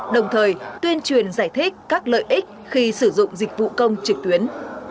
đồng thời tuyên truyền giải thích các lợi ích khi sử dụng dịch vụ công trực tuyến